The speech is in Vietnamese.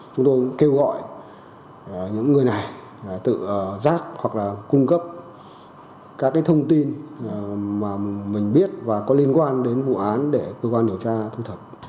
chúng tôi cũng kêu gọi những người này tự giác hoặc là cung cấp các thông tin mà mình biết và có liên quan đến vụ án để cơ quan điều tra thu thập